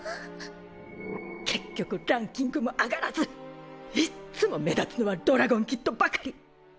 結局ランキングも上がらずいっつも目立つのはドラゴンキッドばかり！